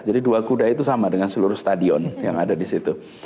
jadi dua kuda itu sama dengan seluruh stadion yang ada di situ